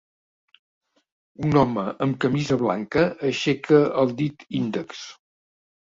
Un home amb camisa blanca aixeca el dit índex